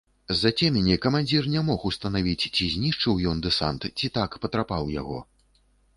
З-за цемені камандзір не мог устанавіць, ці знішчыў ён дэсант, ці так патрапаў яго.